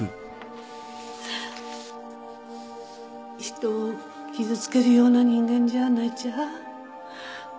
人を傷つけるような人間じゃないちゃ